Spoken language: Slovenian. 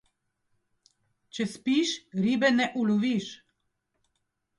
Če spiš, ribe ne uloviš.